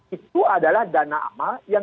itu adalah dana amal yang